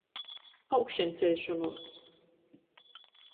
Augšanceļšonuos.